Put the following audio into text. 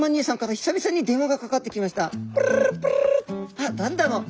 「あっ何だろう？